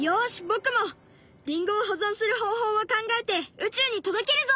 僕もりんごを保存する方法を考えて宇宙に届けるぞ！